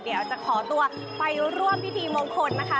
เดี๋ยวจะขอตัวไปร่วมพิธีมงคลนะคะ